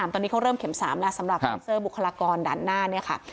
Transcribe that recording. ตอนนี้เขาเริ่มเข็ม๓แล้วสำหรับเซ็นเซอร์บุคลากรด่านหน้าเนี่ยค่ะ